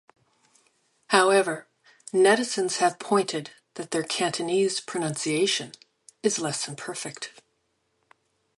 However, netizens have pointed that her Cantonese pronunciation is less than perfect.